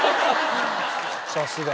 さすが。